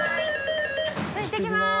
いってきます。